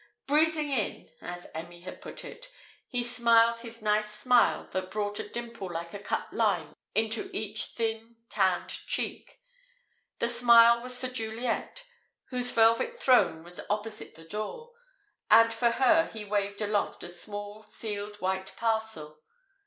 "Breezing in" (as Emmy had put it), he smiled his nice smile that brought a dimple like a cut line into each thin, tanned cheek. The smile was for Juliet, whose velvet throne was opposite the door, and for her he waved aloft a small, sealed white parcel.